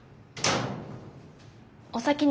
お先に。